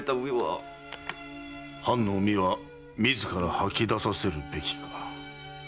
藩の膿は自ら吐き出させるべきか。